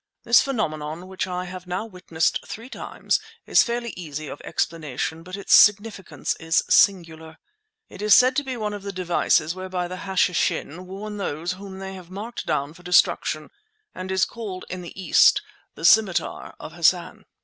This phenomenon, which I have now witnessed three times, is fairly easy of explanation, but its significance is singular. It is said to be one of the devices whereby the Hashishin warn those whom they have marked down for destruction, and is called, in the East, "The Scimitar of Hassan."